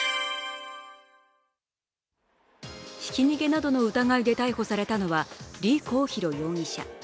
ひき逃げなどの疑いで逮捕されたのは李こう晧容疑者。